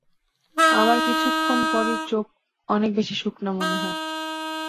আবার কিছুক্ষণ পরই চোখ অনেক বেশি শুকনা মনে হয়।